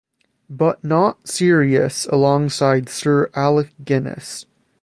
But Not Serious alongside Sir Alec Guinness.